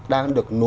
đang được nối vào